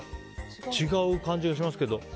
違う感じがしますけど。